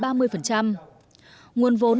nguồn vốn để thực hiện